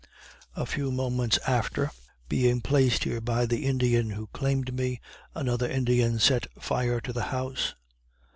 A few moments after, being placed here by the Indian who claimed me, another Indian set fire to the house.